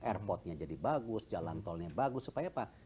airportnya jadi bagus jalan tolnya bagus supaya apa